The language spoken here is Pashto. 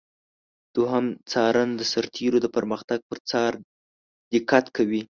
دوهم څارن د سرتیرو د پرمختګ پر څار دقت کوي.